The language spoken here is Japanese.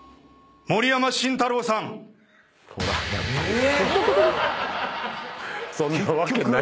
え